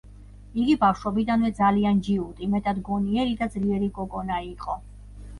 იგი ბავშვობიდანვე ძალიან ჯიუტი, მეტად გონიერი და ძლიერი გოგონა იყო.